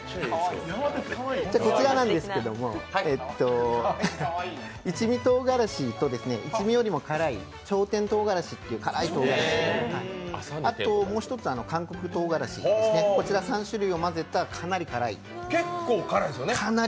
こちらなんですけども、一味とうがらしと一味よりも辛い朝天とうがらしっていう辛いとうがらし、あともう一つ、韓国とうがらし、こちら３種類を混ぜたかなり辛いです。